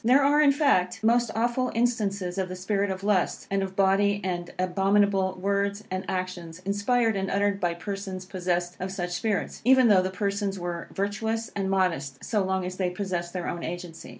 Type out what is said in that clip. There are, in fact, most awful instances of the spirit of lust, and of bawdy and abominable words and actions, inspired and uttered by persons possessed of such spirits, even though the persons were virtuous and modest so long as they possessed their own agency.